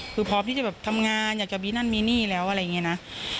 คือพร้อมที่จะแบบทำงานอยากจะมีนั่นมีนี่แล้วอะไรอย่างนี้นะ